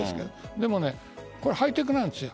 でもこれ、ハイテクなんです。